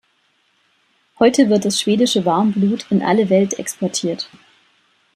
Heute wird das Schwedische Warmblut in alle Welt exportiert.